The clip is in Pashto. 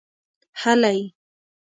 هلئ!